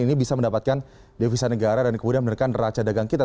ini bisa mendapatkan devisa negara dan kemudian menekan raca dagang kita